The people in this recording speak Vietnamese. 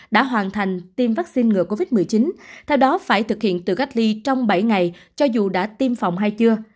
đã hoàn thành tiêm vaccine ngừa covid một mươi chín theo đó phải thực hiện từ cách ly trong bảy ngày cho dù đã tiêm phòng hay chưa